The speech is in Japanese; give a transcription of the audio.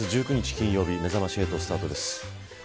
金曜日めざまし８スタートです。